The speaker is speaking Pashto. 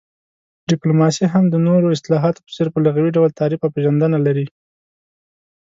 ډيپلوماسي هم د نورو اصطلاحاتو په څير په لغوي ډول تعريف او پيژندنه لري